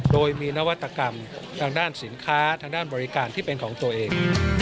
โดยมีนวัตกรรมทางด้านสินค้าย์รายการตัวเอง